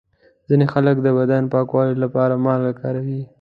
ځینې خلک د بدن پاکولو لپاره مالګه کاروي.